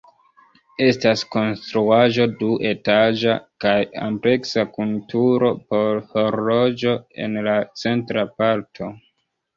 Estas konstruaĵo duetaĝa kaj ampleksa kun turo por horloĝo en la centra parto.